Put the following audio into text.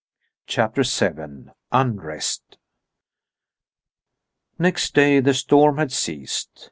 CHAPTER VII UNREST Next day the storm had ceased.